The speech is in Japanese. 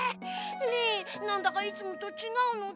リンなんだかいつもとちがうのだ。